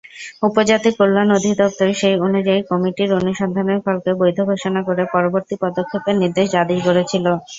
উপজাতি কল্যাণ অধিদপ্তর সেই অনুযায়ী কমিটির অনুসন্ধানের ফলকে বৈধ ঘোষণা করে পরবর্তী পদক্ষেপের নির্দেশ জারি করেছিল।